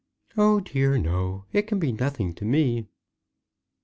"Oh, dear, no. It can be nothing to me."